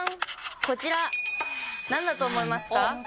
こちら、なんだと思いますか？